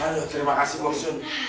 aduh terima kasih boksun